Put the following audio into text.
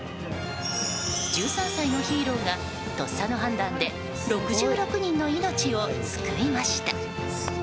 １３歳のヒーローがとっさの判断で６６人の命を救いました。